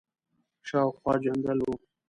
شاوخوا جنګل وو.